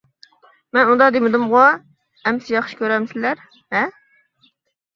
-مەن ئۇنداق دېمىدىمغۇ؟ -ئەمسە ياخشى كۆرەمسىلەر؟ -ھە؟ !